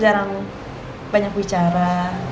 jarang banyak bicara